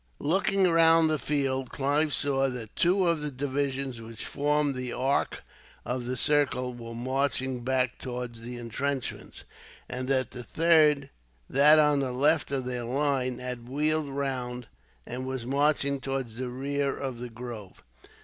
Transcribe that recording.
Looking round the field, Clive saw that two of the divisions which formed the arc of the circle were marching back towards the intrenchments; but that the third, that on the left of their line, had wheeled round and was marching towards the rear of the grove.